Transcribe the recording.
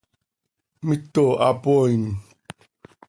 ¡Mito hapooin!